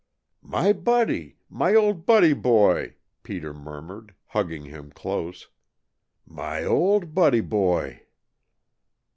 "My Buddy! My old Buddy boy!" Peter murmured, hugging him close. "My old Buddy boy!"